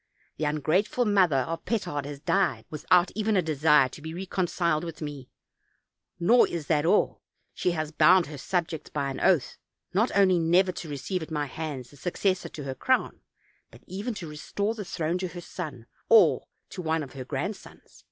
The ungrateful mother of Petard has died without even a desire to be reconciled with me; nor is that all, she has bound her subjects by an oath, not only never to receive at my hands a successor to her crown, but even to restore the throne to her son, or to one of her grandsons.